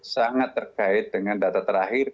sangat terkait dengan data terakhir